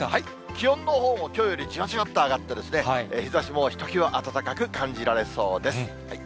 気温のほうもきょうよりじわじわっと上がって、日ざしもひときわ暖かく感じられそうです。